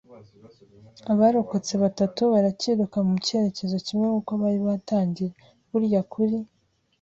abarokotse batatu baracyiruka mu cyerekezo kimwe nkuko bari batangiye, burya kuri